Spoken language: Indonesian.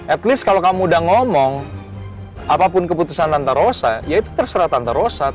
at least kalau kamu udah ngomong apapun keputusan tanta rosa ya itu terserah tanpa rosat